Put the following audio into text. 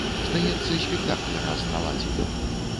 Здаецца, спектакль раз наладзіў.